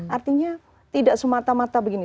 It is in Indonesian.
artinya tidak semata mata begini